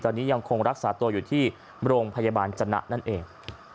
ตอนนี้ยังคงรักษาตัวอยู่ที่โรงพยาบาลจนะนั่นเอง